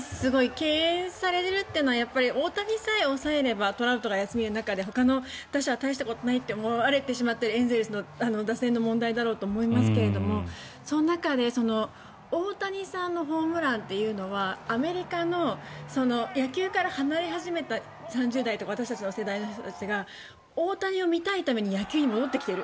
敬遠されるというのはやっぱり大谷さえ抑えればトラウトが休みの中でほかの打者は大したことないって思われてしまうエンゼルスの打線の問題だろうと思いますけどその中で大谷さんのホームランっていうのはアメリカの野球から離れ始めた３０代とか私たちの世代の人たちが大谷を見たいために野球に戻ってきている。